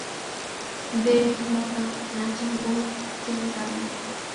দে লতা, নাচে হুবুহু চেনা তাল দে।